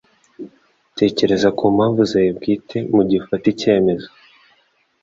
Tekereza ku mpamvu zawe bwite mugihe ufata icyemezo.